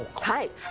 はい。